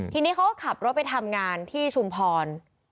ทีนี้เขาก็ขับรถไปทำงานที่ชุมพร